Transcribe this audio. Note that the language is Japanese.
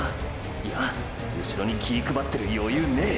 いやうしろに気ィ配ってる余裕ねェ！！